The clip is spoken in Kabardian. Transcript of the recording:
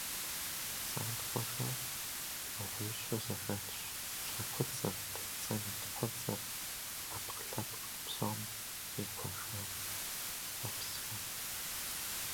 Псантхуэхэр пкъыгъуищу зэхэлъщ: щхьэкуцӏыр, тхыцӏэм илъ куцӏыр, ӏэпкълъэпкъ псом игуэша къуэпсхэр.